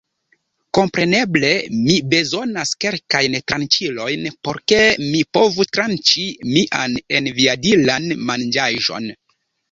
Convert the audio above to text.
Kompreneble mi bezonas kelkajn tranĉilojn, por ke mi povu tranĉi mian enaviadilan manĝaĵon.